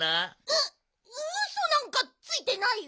ウウソなんかついてないよ！